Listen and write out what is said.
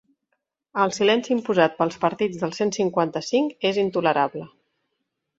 El silenci imposat pels partits del cent cinquanta-cinc és intolerable.